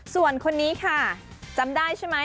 ส่วนคนนี้ค่ะจำได้ใช่ไหม